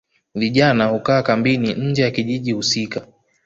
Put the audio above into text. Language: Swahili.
Vijana hukaa kambini nje ya kijiji husika